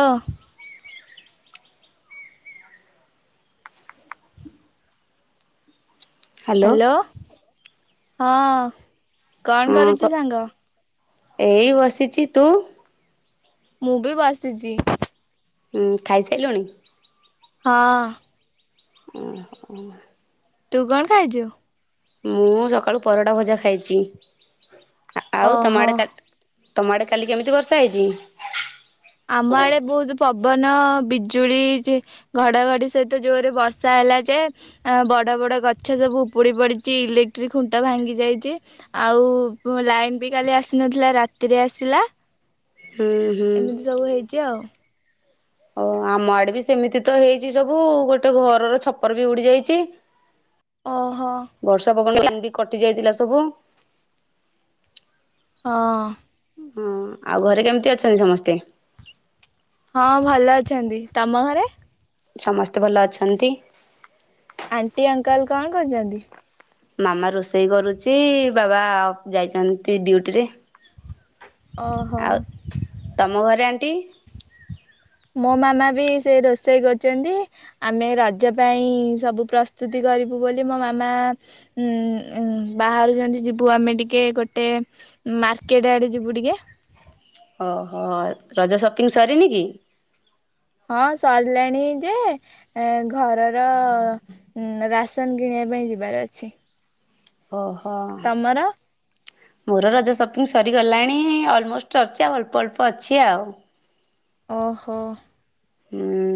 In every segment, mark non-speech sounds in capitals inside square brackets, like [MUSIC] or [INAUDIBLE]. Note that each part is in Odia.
ଓଃ। ହ୍ୟାଲୋ। କଣ ହଁ, କରୁଛୁ କଅ। ସାଙ୍ଗ ମୁଁ ବି ବସିଚି। ହୁଁ, ଖାଇ ସାଇଲଣି। ହଁ। [INAUDIBLE] ତୁ କଣ ଖାଇଛୁ? ମୁଁ ସକାଳୁ ପରଟା ଭଜା ଖାଇଛି। ଆଉ ତମ ଓହୋ ଆଡୋ ତମ ଆଡେ କାଲି କେମିତି ବର୍ଷା ହେଇଛି। ଆମ ଆଡେ ବହୁତ ପବନ ବିଜୁଳି ଯେ ଘଡଘଡି ସହିତ ଜୋରେ ବର୍ଷା ହେଲା ଯେ ବଡ ବଡ ଗଛ ସବୁ ଉପୁଡି ପଡିଛି, ଇଲେକ୍ଟ୍ରିକ୍ ଖୁଣ୍ଟ ଭାଙ୍ଗି ଯାଇଛି। ଆଉ ଲାଇନ୍ ବି କାଲି ଆସି ନଥିଲା, ରାତିରେ ଆସିଲା। ହୁଁ ହୁଁ। ଏମିତି ସବୁ ହେଇଚି ଆଉ। ଓ, ଆମ ଆଡେ ବି ସେମିତି ତ ହେଇଛି ସବୁ, ଗୋଟେ ଘରର ଛପର ବି ଉଡି ଯାଇଛି। ଓହୋ। ବର୍ଷା ପବନ କଟି ଯାଇଥିଲା ସବୁ। ହଁ। ଆଉ ଘରେ କେମିତି ଅଛନ୍ତି, ସମସ୍ତେ? ହଁ, ଭଲ ଅଛନ୍ତି। ତମ ଘରେ ସମସ୍ତେ ଭଲ ଅଛନ୍ତି। ଆଣ୍ଟି, ଅଙ୍କଲ୍ କଣ କରିଛନ୍ତି? ମାମା ରୋଷେଇ କରୁଛି, ବାବା ଯାଇଛନ୍ତି ଡ୍ୟୁଟିରେ। ଓହୋ। ଆଉ ତମ ଘରେ ଆଣ୍ଟି ମୋ ମାମା ବି ସେ ରୋଷେଇ କରୁଛନ୍ତି। ଆମେ ରଜ ପାଇଁ ସବୁ ପ୍ରସ୍ତୁତି କରିବୁ ବୋଲି ମୋ ମାମା। ଉଁ, ଉଁ ବାହାରୁଛନ୍ତି ଯିବୁ ଆମେ ଟିକେ ଗୋଟେ। ମାର୍କେଟ ଆଡେ ଯିବୁ ଟିକେ। ଓହୋ ରଜ ସପିଙ୍ଗ ସରିନି କି। ହଁ ସରିଲାଣି ଯେ। ଏ ଘରର ରାସନ କିଣିବା ପାଇଁ ଯିବାର ଅଛି। ଓହ। ତମର ମୋର ରଜ ସପିଙ୍ଗି ସରିଗଲାଣି ଅଲମୋଷ୍ଟ ଅଛି ଆଉ ଅଳ୍ପ, ଅଳ୍ପ ଅଛି ଆଉ। ଓହୋ। ହୁଁ।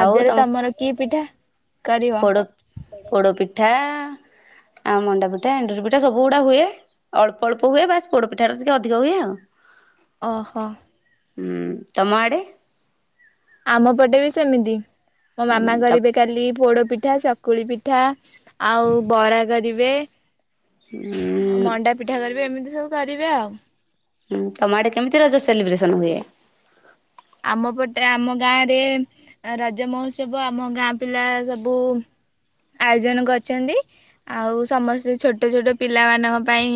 ଆଉ ତମ ତମର କି ପିଠା କରିବ। ପୋଡ ପିଠା ଆଉ ମଣ୍ଡା ପିଠା, ଏଣ୍ଡୁରି ପିଠା ସବୁ ଗୁଡା ହୁଏ। ଅଳ୍ପ, ଅଳ୍ପ ହୁଏ ବାସ ପୋଡପିଠା ଟା ଟିକେ ଅଧିକ ହୁଏ ଆଉ। ଅ ହ। ହୁଁ ତମଆଡ଼େ। ଆମ ପଟେ ବି ସେମିତିମୋ ହୁଁ ମାମା ତ କରିବେ କାଲି ପୋଡ ପିଠା ଚ। ଚକୁଳି ପିଠା, ଆଉ ବରା କରିବେ। ଉଁ। ଆଉ ମଣ୍ଡା ପିଠା କରିବେ ଏମିତି ସବୁ କରିବେ ଆଉ। ହୁଁ ତମ ଆଡେ କେମିତି ରଜ ସେଲିବ୍ରେସନ୍ ହୁଏ? ଆମ ପଟେ ଆମ ଗାଁରେ। ରଜ ମହୋତ୍ସବ ଆମ ଗାଁ ପିଲା ସବୁ ଆୟୋଜନ କରିଛନ୍ତି। ଆଉ ସମସ୍ତେ ଛୋଟ, ଛୋଟ ପିଲାମାନଙ୍କ ପାଇଁ।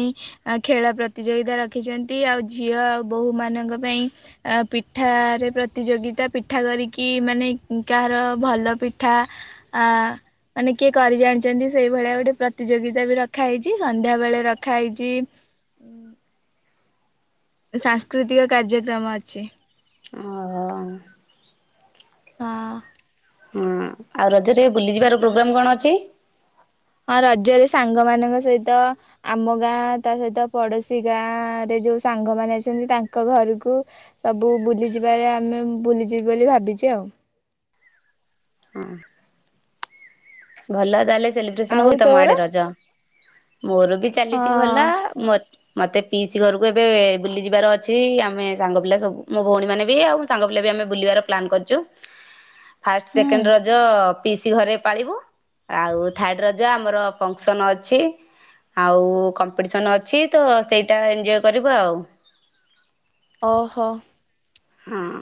ଆ ଖେଳ ପ୍ରତିଯୋଗିତା ରଖିଛନ୍ତି ଆଉ ଝିଅ ଆଉ ବୋହୂ ମାନଙ୍କ ପାଇଁ ପି। ପିଠାରେ ପ୍ରତିଯୋଗିତା ପିଠା କରିକି ମାନେ କାହାର ଭଲ ପିଠା। ଆ। ମାନେ କିଏ କରି ଜାଣିଛନ୍ତି ସେଇଭଳିଆ ଗୋଟେ ପ୍ରତିଯୋଗିତା ବି ରଖାହେଇଛି ସନ୍ଧ୍ୟାବେଳେ ରଖାହେଇଛି। ସାଂସ୍କୃତିକ କାର୍ଯ୍ୟକ୍ରମ ଅଛି। ଅ। ହଁ। ହଁ। ଆଉ ରଜରେ ବୁଲିଯିବାର ପ୍ରୋଗ୍ରାମ୍ କ'ଣ ଅଛି। ହଁ ରଜରେ ସାଙ୍ଗ ମାନଙ୍କ ସହିତ। ଆମ ଗାଁ ତା ସହିତ ପଡୋଶୀ ଗାଁ ରେ ଯୋଉ ସାଙ୍ଗମାନେ ଅଛନ୍ତି ତାଙ୍କ ଘରୁକୁ। ସବୁ ବୁଲିଯିବାରେ ଆମେ ବୁଲିଯିବି ବୋଲି ଭାବିଛି ଆଉ। ହୁଁ। ଭଲ ତାହେଲେ ସେଲିବ୍ରେସନ ଆଉ ହଉ ତମ ତୋର? ଆଡେ ରଜ ମୋର ବି। ହଁ ଚାଲିଛି ଭଲ ମୋର। ମତେ ପିଇସି ଘରୁକୁ ଏବେ ବୁଲି ଯିବାର ଅଛି ଆମେ ସାଙ୍ଗ ପିଲା ସବୁ ମୋ ଭଉଣୀ ମାନେ ବି ଆଉ। ସାଙ୍ଗ ପିଲା ବି ଆମେ ବୁଲିବାର ପ୍ଲାନ୍ କରିଛୁ। [UNINTELLIGIBLE] ଫାଷ୍ଟେ, ସେକେଣ୍ଡେ ରଜ ପିଇସିି ଘରେ ପାଳିବୁ। ଆଉ ଥାର୍ଡ଼ ରଜ ଆମର ଫଙ୍କସନ୍ ଅଛି। ଆଉ କମ୍ପିଟିସନ୍ ଅଛି ତ ସେଇଟା ଏଞ୍ଜୟ କରିବା ଆଉ। ଓହୋ। ହଁ।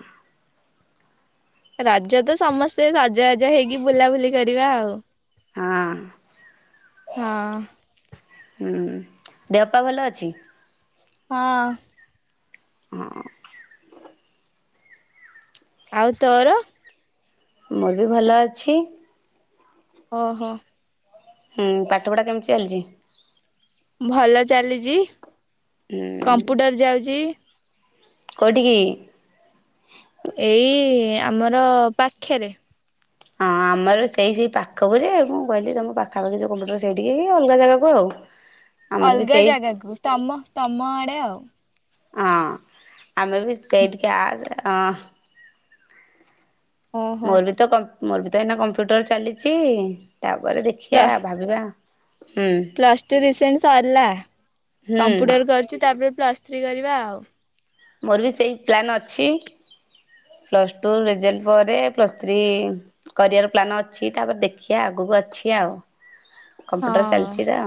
ରଜ ତ ସମସ୍ତେ ସଜବାଜ ହେଇକି ବୁଲାବୁଲି କରିବା ଆଉ। ହଁ। ହଁ। ହୁଁ ଦେହପା ଭଲ ଅଛି? ହଁ। ହଁ। ଆଉ ତୋର? ମୋର ବି ଭଲ ଅଛି। ଓହୋ। ହଁ ପାଠପଢ଼ା କେମିତି ଚାଲିଛି? ଭଲ ଚାଲିଛି, ହୁଁ କମ୍ପୁଟର ଯାଉଛି। କୋଠିକି? ଏଇ ଆମର ପାଖରେ। ହଁ ଆମର ସେଇ ସେଇ ପାଖକୁ ଯେ, ମୁଁ କହିଲି ତମ ପାଖାପାଖି ଯେଉ କମ୍ୟୁଟର ସେଇଠିକି କି ଅଲଗା ଜାଗାକୁ ଆଉ। ଆମର ବି ଅଲଗା ସେଇ ଜାଗାକୁ ତମ ତମ ଆଡେ ଆଉ। ହଁ ଆମେ ବି ସେଇ ଟିକେ ଆ ଓହୋ ମୋର ବି ତ ମୋର ବି ତ ଏଇନା କମ୍ପ୍ୟୁଟର ଚାଲିଚି ତାପରେ ଦେଖ ପ୍ଲ ଦେଖିଆ ଭାବିବା। ହୁଁ ପ୍ଲସ୍ ଟୁ ରିସେଣ୍ଟ ସରିଲା, ହୁଁ କମ୍ପୁଟର କରୁଛି, ତାପରେ ପ୍ଲସ୍ ଥ୍ରୀ କରିବା ଆଉ ମୋର ବି ସେଇ ପ୍ଲାନ୍ ଅଛି। ପ୍ଲସ୍ ଟୁ ରେଜଲ୍ଟ ପରେ ପ୍ଲସ୍ ଥ୍ରୀ କରଆର ପ୍ଲାନ୍ ଅଛି ତାପରେ ଦେଖିଆ ଆଗକୁ ଅଛି ଆଉ। କମ୍ପ୍ୟୁଟର ହଁ ଚାଲିଛି ତ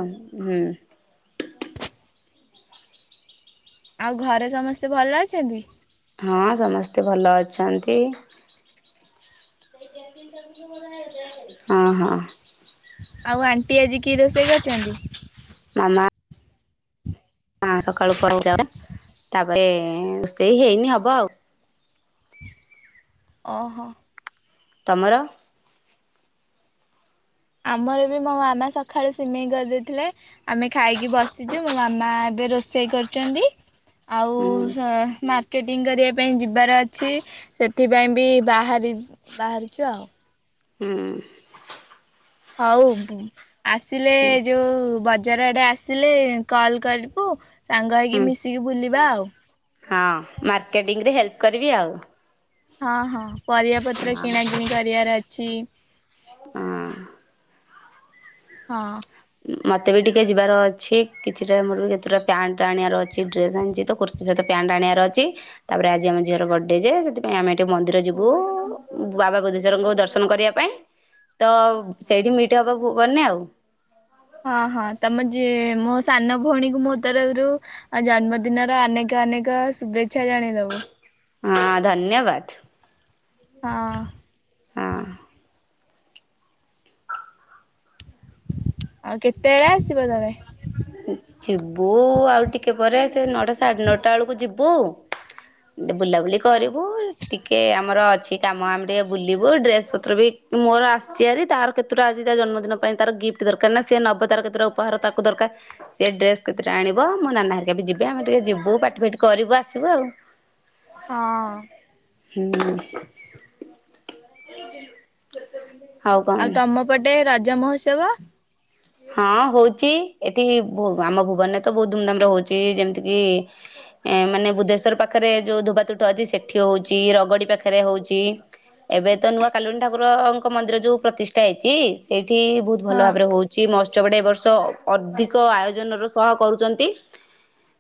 ହୁଁ। ଆଉ ଘରେ ସମସ୍ତେ ଭଲ ଅଛନ୍ତି? ହଁ ସମସ୍ତେ ଭଲ ଅଛନ୍ତି। ହଁ ହଁ। ଆଉ ଆଣ୍ଟି ଆଜି କି ରୋଷେଇ କରିଛନ୍ତି? ମାମା ହଁ ସକାଳୁ ପରେକୁ ଯାଉ ତାପରେ ରୋଷେଇ ହେଇନି ହବ ଆଉ। ଓହୋ। ତମର? ଆମର ବି ମୋ ମାମା ସକାଳୁ ସିମେଇ କରିଦେଇଥିଲେ। ଆମେ ଖାଇକି ବସିଛୁ ମୋ ମାମା ଏବେ ରୋଷେଇ କରିଛନ୍ତି। ଆଉ ହୁଁ ମା ର୍କେଟିଙ୍ଗ କରିବା ପାଇଁ ଯିବାର ଅଛି ସେଥିପାଇଁ ବି ବାହାରି ବାହାରୁଛୁ ଆଉ। ହୁଁ। ହଉ ଆସିଲେ ଯୋଉ ବଜାର ଆଡେ ଆ ଆସିଲେ କଲ୍ କରିବୁ ସାଙ୍ଗ ହୋଇକି ହୁଁ ମିଶିକି ବୁଲିବା ଆଉ। ହଁ ମାର୍କେଟିଂ ରେ ହେଲ୍ପ କରିବି ଆଉ। ହଁ ହଁ ପରିବା ପତ୍ର କିଣା କିିଣି କରିବାର ଅଛି। ହଁ। ହଁ। ମତେ ବି ଟିକେ ଯିବାର ଅଛି କିଛି ଟା ମୋର ବି ଯେତେଟା ପ୍ୟାଣ୍ଟ ଆଣିବାର ଅଛି ଡ୍ରେସ ଆଣିଛି ତ କୁର୍ତ୍ ସେ ଯଦି ତା ସହିତ ପ୍ୟାଣ୍ଟ ଆଣିବାର ଅଛି। ତାପରେ ଆଜି ଆମ ଝିଅର ବର୍ଡେ ଯେ ସେଥିପାଇଁ ଆମେ ଟିକିେ ମନ୍ଦିର ଯିବୁ ବାବା ବଦେଶ୍ୱରଙ୍କୁ ଦର୍ଶନ କରିବା ପାଇଁ। ଁ ତ ସେଇଠି ମିଟ୍ ହବା ଭୁବନ ରେ ଆଉ। ହଁ ହଁ ତମ ଝି ମୋ ସାନ ଭଉଣୀ କୁ ମୋ ତରଫରୁ। ଆ ଜନ୍ମଦିନର ଅନେକ ଅନେକ ଶୁଭେଚ୍ଛା ଜଣେଇଦବୁ। ହଁ ଧନ୍ୟବାଦ। ହଁ। ହଁ। ଆଉ କେତେବେଳେ ଆସିବ ତମେ। ଆ ଯିବୁ ଆଉ ଟିକେ ପରେ ସେ ନଅଟା ସାଢ଼େ ନଅଟା ବେଳକୁ ଯିବୁ। ଟିକେ ବୁଲାବୁଲି ହଁ କରିବୁ। ଟିକେ ଆମର ଅଛି କାମ ଆମେ ଟିକେ ବୁଲିବୁ ଡ୍ରେସ ପତ୍ର ବି ମୋର ଆସିଛି ହାରି ତାର। କେତୁଟା ଆଜି ତା ଜନ୍ମଦିନ ପାଇଁ ତା ତାର ଗିଫ୍ଟ ଦରକାର ନା ସେ ନବ ତାର କେତେଟା ଉପହାର ତାକୁ ଦରକାର। ସେି ଡ୍ରେସ କେତେଟା ଆଣିବ ମୋ ନନା ହେରିକା ବି ଯିବେ ଆମେ ଟିକେ ଯିବୁ ପାଟି ଫାଟି କରିବୁ ଆସିବୁ ଆଉ। ହଁ। ହୁଁ। ଆଉ ତମ ପଟେ ରଜ ମହୋତ୍ସବ। ହଁ ହଉଛି ଏଠି ଆମ ଭୁବନରେ ତ ବହୁତ ଧୁମଧାମ ରେ ହଉଛି ଯେମିତି କିି। ଏ ମାନେ ବୁଧେଶ୍ୱର ପାଖରେ ଯେଉଁ ଧୋବା ତୁଠ ଅଛି ସେଠି ହେଉଛି ରଗଡ଼ି ପାଖରେ ହେଉଛି। ଏବେ ତ ନୂଆ କାଳିୁଣୀ ଠାକୁରଙ୍କ ମନ୍ଦିର ଯୋଉ ପ୍ରତିଷ୍ଠା ହେଇଛି ସେଇଠି ବହୁତ ଭଲ ହଁ। ଭାବରେ ହଉ ଚି ମହୋତ୍ସବ ଟେ ଏ ବର୍ଷ ଅଧିକ ଆୟୋଜନର ସହ କରୁଛନ୍ତି।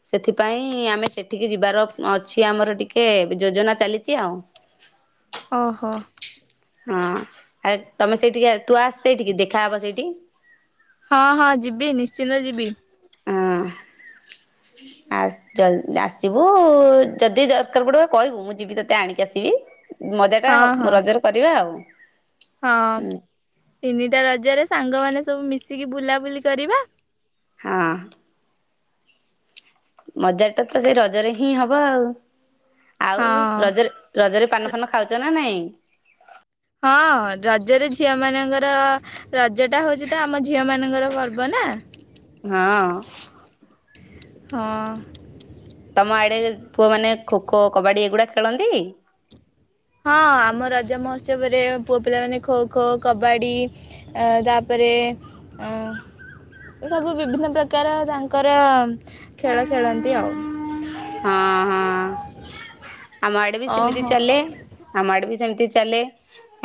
ସେଥିପାଇଁ ଆମେ ସେଠିକି ଯିବାର ଅଛି ଆମର ଟିକେ ଯୋଜନା ଚାଲିଛି ଆଉ। ଓହୋ। ହଁ ଆ ତମେ ସେଇଠିକ ତୁ ଆସ ସେଇଠିକି ଦେଖାହେବ ସେଇଠି। ହଁ ହଁ ଯିବି ନିଶ୍ଚିନ୍ତ ଯିବି। ହଁ ଆସ୍। ଜଲ ଆସିବୁ ଯଦି ଦରକାର ପଡିବ କହିବୁ ମୁଁ ଯିବି ତତେ ଆଣିକି ଆସିବି। ମଜା ଟା ହଁ ହଁ। ରଜରେ କରିବା ଆଉ। ହଁ ହୁଁ ତିନିଟା ରଜରେ ସାଙ୍ଗମାନେ ସବୁ ମିଶିକି ବୁଲାବୁଲି କରିବା। ହଁ। ମଜା ଟା ତ ସେଇ ରଜରେ ହିଁ ହବ ଆଉ ଆଉ ହଁ। ରଜରେ। ରଜରେ ପାନ ଫାନ ଖାଉଛ ନା ନାଇଁ। ହଁ ରଜରେ ଝିଅ ମାନଙ୍କର। ରଜ ଟା ହଉଛି ତ ଆମ ଝିଅ ମାନଙ୍କର ପର୍ବ ନା। ହଁ ହଁ। ତମ ଆଡ଼େ ପୁଅମାନେ ଖୋଖୋ କବାଡ଼ି ଏଗୁଡ଼ାକ ଖେଳନ୍ତି। ହଁ ଆମ ରଜ ମହୋତ୍ସବରେ ପୁଅ ପିଲାମାନେ ଖୋ ଖୋ କବାଡ଼ି। ଏ ତାପରେ ଅଁ। ଏ ସବୁ ବିଭିନ୍ନ ପ୍ରକାର ତାଙ୍କର ଖେଳ ଖେଳନ୍ତି ଆଉ। ହଁ ହଁ ଆମ ଆଡେ ବି ସେମିତି ଓହୋ ଚାଲେ। ଆମ ଆଡେ ବି ସେମିତି ଚାଲେ।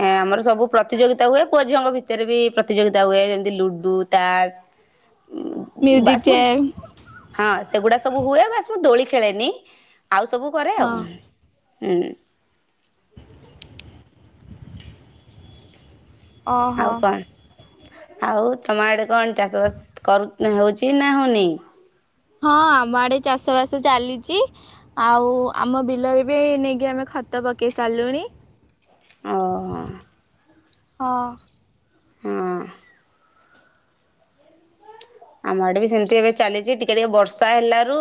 ଏଁ ଆମର ସବୁ ପ୍ରତିଯୋଗିତା ହୁଏ ପୁଅ ଝିଅଙ୍କ ଭିତରେ ବି ପ୍ରତିଯୋଗିତା ହୁଏ ଯେମିତି ଲୁଡୁ ତାସ। [UNINTELLIGIBLE] ବାସ୍ ମୁ ଚେୟାର ହଁ ସେଗୁଡା ସବୁ ହୁଏ ବାସ୍ ମୁ ଦୋଳି ଖେଳେନି। ଆଉ ସବୁ କରେ ଆଉ ହଁ ହୁଁ। ଓହୋ ଆଉ କଣ୍ ଆଉ ତମ ଆଡ଼େ [UNINTELLIGIBLE] ଚାଷବାସ କରୁ ନା ହଉଛି ନା ହଉନି? ହଁ ଆମ ଆଡେ ଚାଷ ବାସ ଚାଲିଚି। ଆଉ ଆମ ବିଲରେ ବି ନେଇକି ଆମେ ଖତ ପକେଇ ସାରିଲୁଣି। ଓହଁ। ହଁ। ହଁ। ଆମ ଆଡ଼େ ବି ସେମ୍ତି ଏବେ ଚାଲିଚି ଟିକେ ଟିକେ ବର୍ଷା ହେଲାରୁ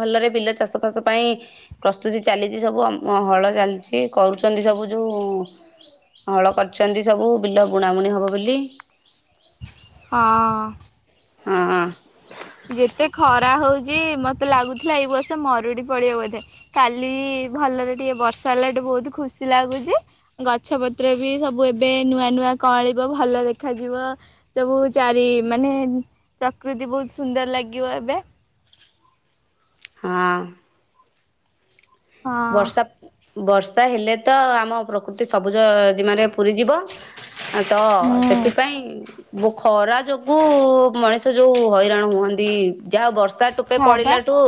ଭଲରେ ବିଲ ଚାଷ ଫାସ ପାଇଁ ପ୍ରସ୍ତୁତି ଚାଲିଚି ସବୁ ଆମ ହଳ ଚାଲିଛି କରୁଛନ୍ତି ସବୁ ଯୋଉଁ ହଳ କରିଛନ୍ତି ସବୁ ବିଲ ବୁଣା ବୁଣି ହବ ବୋଲି। ହଁ। ହଁ। ଯେତେ ଖରା ହଉଚି ମତେ ଲାଗୁଥିଲା ଏଇ ବର୍ଷେ ମରୁଡି ପଡିବ ବୋଧେ। କାଲି ଭଲରେ ଟିକେ ବର୍ଷା ହେଲା [UNINTELLIGIBLE] ବହୁତୁ ଖୁସି ଲାଗୁଚି। ଗଛ ପତ୍ର ବି ସବୁ ଏବେ ନୂଆ ନୂଆଁ ନୂଆଁ କଁଅଳିବ ଭଲ ଦେଖାଯିବ। ସବୁ ଚାରି ମାନେ ପ୍ରକୃତି ବହୁତ୍ ସୁନ୍ଦର ଲାଗିବ ଏବେ। ହଁ। ହଁ। ବର୍ଷା ବର୍ଷା ହେଲେ ତ ଆମ ପ୍ରକୃତି ସବୁଜ ଜୀମାରେ ପୁରି ଯିବ। ଅଁ ତ ହୁଁ ସେଥିପାଇଁ [UNINTELLIGIBLE] ଖରା ଯୋଗୁ ମଣିଷ ଯୋଉ ହଇରାଣ ହୁଅନ୍ତି ଯା ହଉ ବର୍ଷ ଷା ଟୋପେ ହଁ ବା ପଡିଲାଠୁ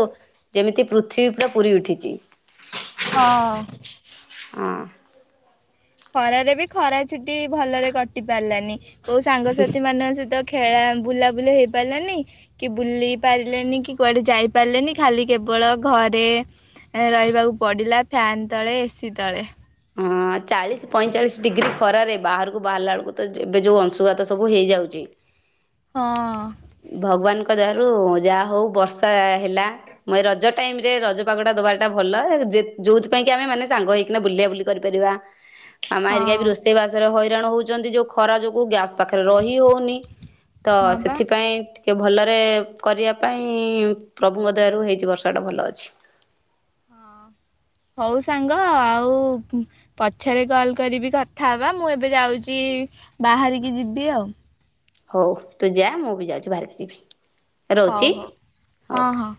ଯେମିତି ପୃଥିବୀ ପୁରା ପୁରୀ ଉଠିଚି। ହଁ। ଅଁ। ଖରାରେ ବି ଖରା ଛୁଟି ଭଲରେ କଟି ପାରିଲାନି କୋଉ ସାଙ୍ଗସାଥି ମାନଙ୍କ ସହିତ ଖେଳା ବୁଲାବୁଲି ହେଇ ପାରିଲାନି। କି ବୁଲି ପାରିଲେନି କି କୁଆଡେ ଯାଇପାରିଲେନି ଖାଲି କେବଳ ଘରେ ଏଁ ରହିବାକୁ ପଡିଲା ଫ୍ୟାନ୍ ତଳେ ଏସିି ତଳେ। ହଁ। ଚାଳିଶ୍ ପଇଁଚାଳିଶ୍ ଡିଗ୍ରୀ ଖରାରେ ବାହାରକୁ ବାହାରିଲା ବେଳକୁ ତ ଏବେ [UNINTELLIGIBLE] ଯୋଉ ଅଂଶୁଘାତ ସବୁ ହେଇଯାଉଚି। ହଁ। ଭଗବାନ୍ ଙ୍କ ଦୟାରୁ ଯା ହଉ ବର୍ଷା ହେଲା। ମ ରଜ ଟାଇମ୍ ରେ ରଜ ପାଗଟା ଦବା ଟା ଭଲ ଯେ ଯୋଉଥିପାଇଁ କି ଆମେ ମାନେ ସାଙ୍ଗ ହେଇକିନା ବୁଲା ବୁଲି କରିପାରିବା ଆମ ହଁ ହେରିକା ବି ରୋଷ୍ ଷେଇ ବାସରେ ହଇରାଣ ହଉଚନ୍ତି ଯୋ ଖରା ଯୋଗୁଁ ଗ୍ୟାସ୍ ପାଖରେ ରହି ହଉନି। ତ ହଁ ବା ସେଥିପାଇଁ ଟି କେ ଭଲରେ କରିଆ ପାଇଁ ପ୍ରଭୁଙ୍କ ଦୟାରୁ ହେଇଛି ବର୍ଷାଟା ଭଲ ଅଛି। ହଁ ହଉ ସାଙ୍ଗ ଆଉ [UNINTELLIGIBLE] ପଛରେ କଲ୍ କରିବି କଥା ହବା ମୁଁ ଏବେ ଯାଉଚି ବାହାରିକି ଯିବି ଆଉ। ହଉ ତୁ ଯା ମୁଁ ବି ଯାଉଚି ବାହାରି [UNINTELLIGIBLE] ଯିବି। ରହୁଛି ହଉ ହଉ ହଉ। ହଁ-ହଁ।